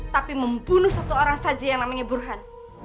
tapi membunuh satu orang saja yang namanya burhan